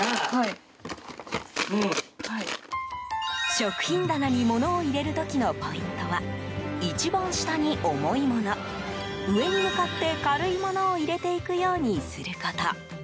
食品棚に物を入れる時のポイントは一番下に重い物上に向かって軽い物を入れていくようにすること。